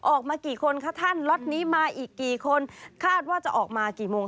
ออกมากี่คนคะท่านล็อตนี้มาอีกกี่คนคาดว่าจะออกมากี่โมง